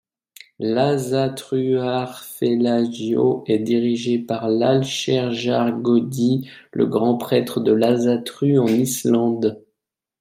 L'Ásatrúarfélagið est dirigée par l'Allsherjargoði, le grand prêtre de l'Ásatrú en Islande.